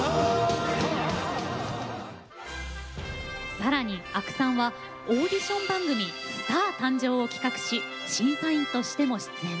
更に阿久さんはオーディション番組「スター誕生！」を企画し審査員としても出演。